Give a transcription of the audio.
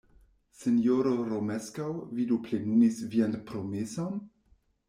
Sinjoro Romeskaŭ, vi do plenumis vian promeson?